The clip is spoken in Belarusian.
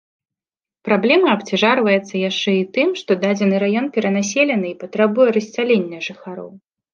Праблема абцяжарваецца яшчэ і тым, што дадзены раён перанаселены і патрабуе рассялення жыхароў.